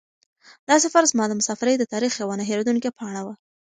دا سفر زما د مسافرۍ د تاریخ یوه نه هېرېدونکې پاڼه وه.